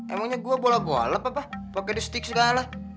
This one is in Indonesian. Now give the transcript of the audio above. emangnya gua bola bola papa pake di setiq segala